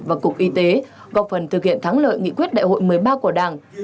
và cục y tế góp phần thực hiện thắng lợi nghị quyết đại hội một mươi ba của đảng